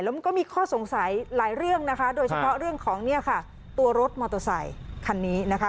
แล้วมันก็มีข้อสงสัยหลายเรื่องโดยเฉพาะเรื่องของตัวรถมอเตอร์ไซคันนี้